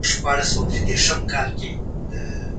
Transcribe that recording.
ناسم اسناد څېړنه بې ارزښته کوي.